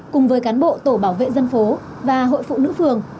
cùng với cán bộ tổ bảo vệ dân phố và hội phụ nữ phường